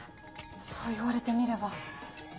そう言われてみれば。